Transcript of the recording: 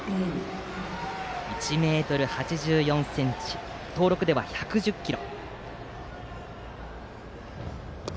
１ｍ８４ｃｍ登録では１１０ｋｇ。